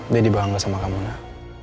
deddy bangga sama kamu nek